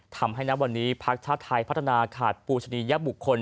ณวันนี้พักชาติไทยพัฒนาขาดปูชนียบุคคล